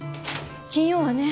金曜はね。